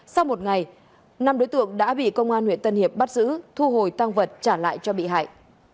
sau một ngày năm đối tượng đã bị công an huyện tân hiệp bắt giữ thu hồi tăng vật trả lại cho bị hại